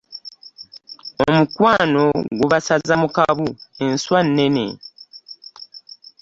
Omukwano gubasaza mu kabu enswa nnene.